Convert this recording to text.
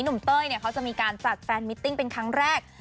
เต้ยเขาจะมีการจัดแฟนมิตติ้งเป็นครั้งแรก